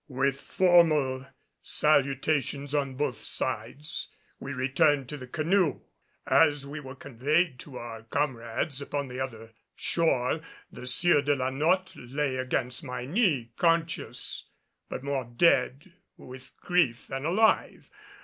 With formal salutations on both sides, we returned to the canoe. As we were conveyed to our comrades upon the other shore the Sieur de la Notte lay against my knee, conscious, but more dead with grief than alive.